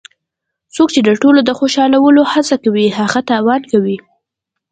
څوک چې د ټولو د خوشحالولو هڅه کوي هغه تاوان کوي.